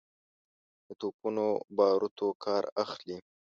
د توپونو باروتو کار اخلي.